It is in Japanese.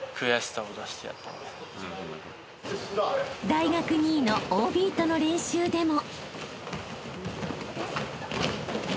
［大学２位のＯＢとの練習でも］